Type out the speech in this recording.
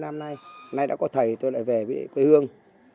hôm nay đã có thầy tôi lại về với quê hương